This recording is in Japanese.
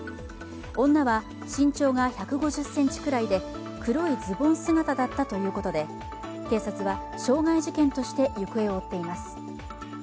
女は身長が１５０ｃｍくらいで黒いズボン姿だったということで、警察は傷害事件として行方を追っています。